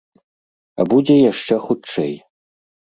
А будзе яшчэ хутчэй.